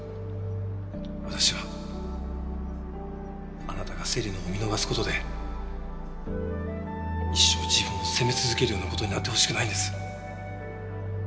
私はあなたが芹野を見逃す事で一生自分を責め続けるような事になってほしくないんです。